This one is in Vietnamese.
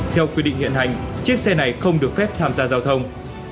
theo quy định hiện hành chiếc xe này không được phép tham gia giao thông